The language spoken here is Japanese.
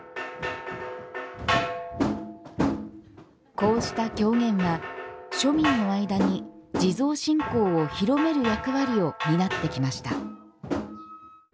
こうした狂言が、庶民の間に地蔵信仰を広める役割を担ってきました。